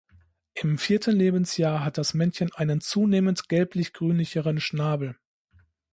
Im vierten Lebensjahr hat das Männchen einen zunehmend gelblich-grünlicheren Schnabel.